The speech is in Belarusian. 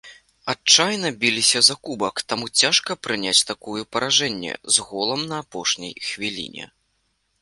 Адчайна біліся за кубак, таму цяжка прыняць такую паражэнне, з голам на апошняй хвіліне.